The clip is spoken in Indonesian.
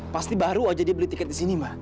pasti baru aja dia beli tiket di sini mbak